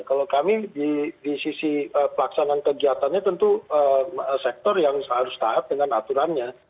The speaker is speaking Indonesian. kalau kami di sisi pelaksanaan kegiatannya tentu sektor yang harus taat dengan aturannya